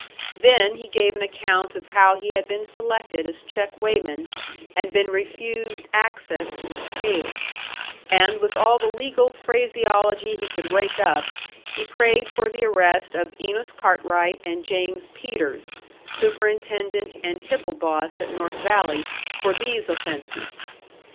Then he gave an account of how he had been selected as check weighman and been refused access to the scales; and with all the legal phraseology he could rake up, he prayed for the arrest of Enos Cartwright and James Peters, superintendent and tipple boss at North Valley, for these offences.